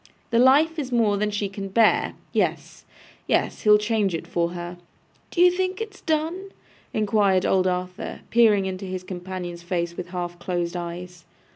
The life is more than she can bear. Yes, yes. He'll change it for her.' 'D'ye think it's done?' inquired old Arthur, peering into his companion's face with half closed eyes.